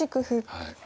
はい。